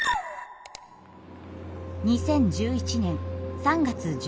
２０１１年３月１１日。